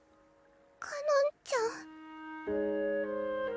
かのんちゃん。